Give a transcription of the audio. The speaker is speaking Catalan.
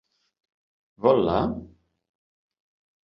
Vol la??